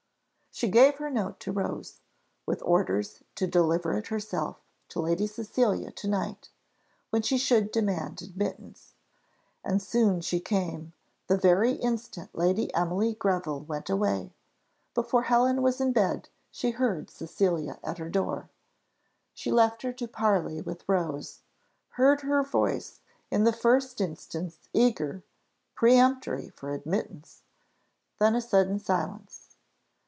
She gave her note to Rose, with orders to deliver it herself to Lady Cecilia to night, when she should demand admittance. And soon she came, the very instant Lady Emily Greville went away before Helen was in bed she heard Cecilia at her door; she left her to parley with Rose heard her voice in the first instance eager, peremptory for admittance. Then a sudden silence.